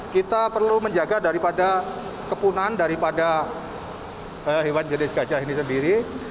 kita perlu menjaga daripada kepunan daripada hewan jenis gajah ini sendiri